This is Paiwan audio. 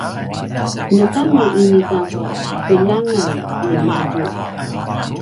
neka nu inika keljangen nimadju